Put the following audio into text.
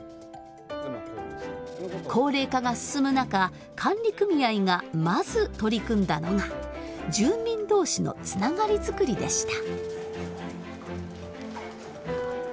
高齢化が進む中管理組合がまず取り組んだのが住民同士のつながり作りでした。